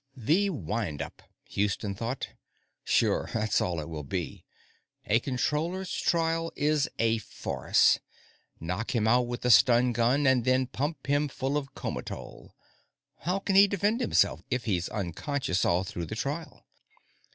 The windup, Houston thought. _Sure. That's all it will be. A Controller's trial is a farce. Knock him out with a stun gun and then pump him full of comatol. How can he defend himself if he's unconscious all through the trial?